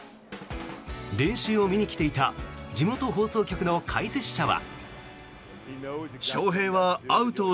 練習を見に来ていた地元放送局の解説者は。